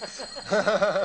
ハハハハ。